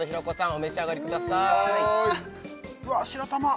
お召し上がりくださいわあ白玉！